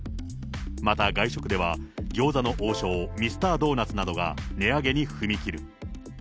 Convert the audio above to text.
また、外食では餃子の王将、ミスタードーナツなどが値上げに踏み切る。